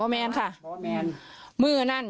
แมน